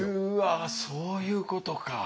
うわそういうことか。